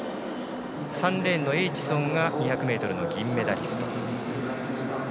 ３レーンのエイチソンが２００ｍの銀メダリスト。